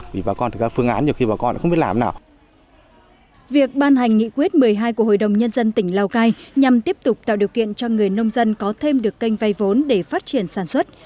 việc ban hành nghị quyết một mươi hai của hội đồng nhân dân tỉnh lào cai nhằm tiếp tục tạo điều kiện cho người nông dân có thêm được kênh vay vốn để phát triển sản xuất